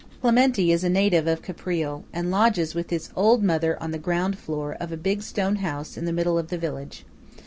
Clementi is a native of Caprile, and lodges with his old mother on the ground floor of a big stone house in the middle of the village.